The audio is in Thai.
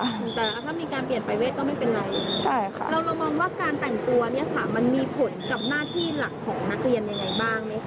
เรารองมองว่าการแต่งตัวนี้มันมีผลกับหน้าที่หลักของนักเรียนยังไงบ้างไหม